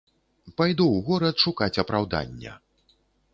Пайду ў горад шукаць апраўдання.